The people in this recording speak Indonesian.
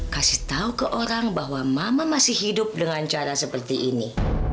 kasih tahu ke orang bahwa mama masih hidup dengan cara seperti ini